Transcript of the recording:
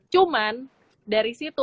cuman dari situ